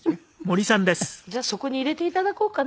じゃあそこに入れて頂こうかな。